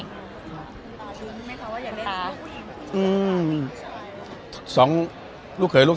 คุณรู้ไหมคะว่าอยากได้ลูกผู้หญิง